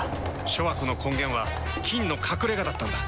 諸悪の根源は「菌の隠れ家」だったんだ。